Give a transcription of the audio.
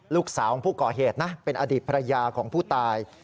ลูกสาวของผู้ก่อเหตุนะเป็นอดีตภรรยาของผู้ตาย